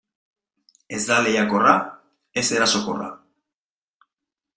Ez da lehiakorra, ez erasokorra.